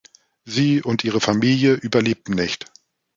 Sie und ihre Familie überlebten nicht.